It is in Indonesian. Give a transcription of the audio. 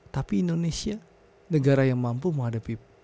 tapi indonesia negara yang mampu menghadapi